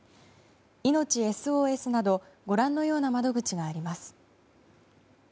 「＃いのちＳＯＳ」などご覧のような窓口があります。